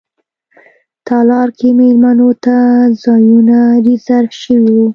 تالار کې میلمنو ته ځایونه ریزرف شوي وو.